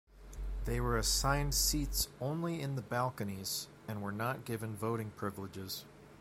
They were assigned seats only in the balconies and were not given voting privileges.